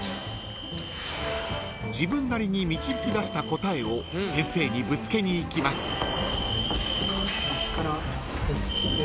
［自分なりに導き出した答えを先生にぶつけに行きます］